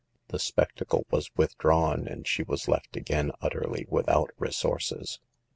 The spectacle was withdrawn and she was left again utterly without resources.